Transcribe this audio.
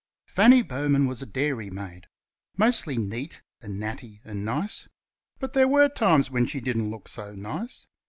Fanny Bowman was a dairymaid mostly neat and natty and nice. But there were times when she didn't look so nice.